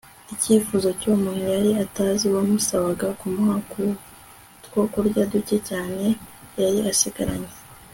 icyifuzo cyuwo muntu yari atazi wamusabaga kumuha ku twokurya duke cyane yari asigaranye